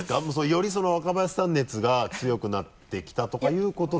より若林さん熱が強くなってきたとかいうことですか？